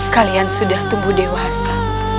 kalian sudah tumbuh dewasa